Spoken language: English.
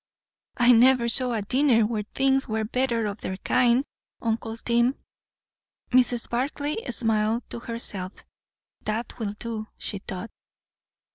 "I never saw a dinner where things were better of their kind, uncle Tim." Mrs. Barclay smiled to herself. That will do, she thought.